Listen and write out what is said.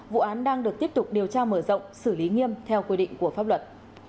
vụ án đang được tiếp tục điều tra mở rộng xử lý nghiêm theo quy định của pháp luật